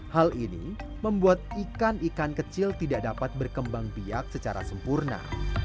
hal ini membuat ikan ikan kecil tidak dapat berkembang biak secara sempurna